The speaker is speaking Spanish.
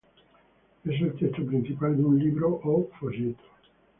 Es el texto principal de un libro o folleto.